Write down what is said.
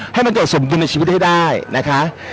ให้มันเกิดสมบุญในชีวิตให้ได้นะคะ